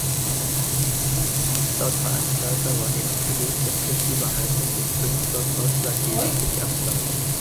Laut Veranstalter war die „absolut destruktive Haltung des Künstlers“ ausschlaggebend für die Absage.